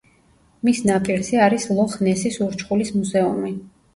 მის ნაპირზე არის ლოხ-ნესის ურჩხულის მუზეუმი.